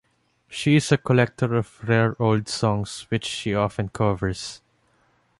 She is a collector of rare old songs which she often covers.